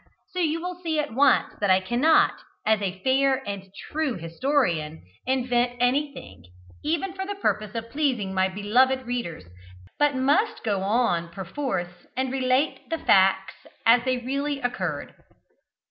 So you will see at once that I cannot, as a fair and true historian, invent anything, even for the purpose of pleasing my beloved readers, but must go on perforce and relate the facts as they really occurred.